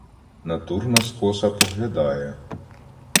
На Турна скоса поглядає